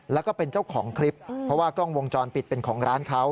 แล้วก็เป็นเจ้าของคลิปเพราะว่ากล้องวงจรปิดเป็นของร้านเขา